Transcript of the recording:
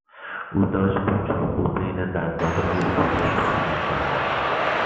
او داشت با چاقو بین دندانهای خود را پاک میکرد.